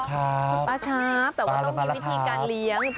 คุณป้าครับแต่ว่าต้องมีวิธีการเลี้ยง